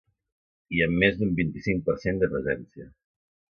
I amb més d’un vint-i-cinc per cent de presència.